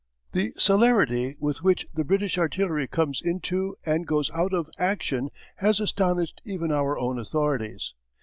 The celerity with which the British artillery comes into, and goes out of, action has astonished even our own authorities.